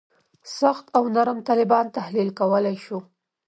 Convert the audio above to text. سخت او نرم طالبان تحلیل کولای شو.